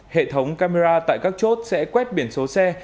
hệ thống camera tại các chốt sẽ quét biển số xe